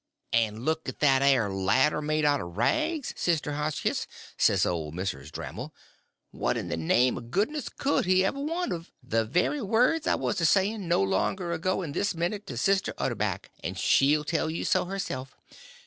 "An' look at that air ladder made out'n rags, Sister Hotchkiss," says old Mrs. Damrell; "what in the name o' goodness could he ever want of—" "The very words I was a sayin' no longer ago th'n this minute to Sister Utterback, 'n' she'll tell you so herself.